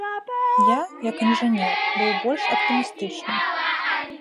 Я, як інжынер, быў больш аптымістычны.